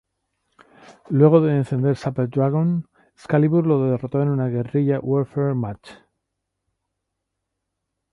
Luego de encender Super Dragon, Excalibur lo derrotó en un Guerrilla Warfare Match.